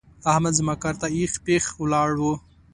احمد زما کار ته اېښ پېښ ولاړ وو.